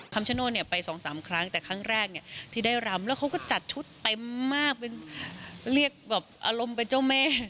คำชโน่ไปสองสามครั้งแต่ครั้งแรกที่ได้รำแล้วเขาก็จัดชุดไปมากเรียกแบบอารมณ์เป็นเจ้าเม่